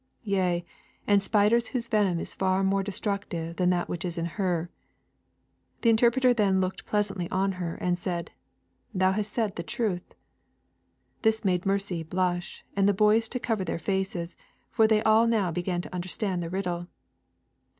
Yea, and spiders whose venom is far more destructive than that which is in her.' The Interpreter then looked pleasantly on her, and said: 'Thou hast said the truth.' This made Mercy blush, and the boys to cover their faces, for they all began now to understand the riddle.